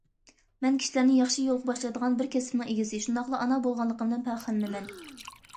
مەن كىشىلەرنى ياخشى يولغا باشلايدىغان بىر كەسىپنىڭ ئىگىسى، شۇنداقلا ئانا بولغانلىقىمدىن پەخىرلىنىمەن.